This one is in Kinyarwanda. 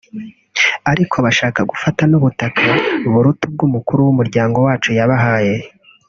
ariko bashaka gufata n’ubutaka buruta ubwo umukuru w’umuryango wacu yabahaye